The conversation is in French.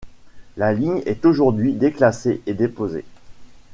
La ligne est aujourd'hui déclassée et déposée.